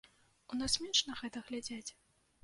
У нас менш на гэта глядзяць?